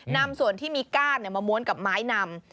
นำส่วนที่มีก้านมาม้วนกับไม้นำ